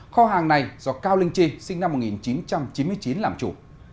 kho hàng này do cao linh chi sinh năm một nghìn chín trăm chín mươi chín làm chủ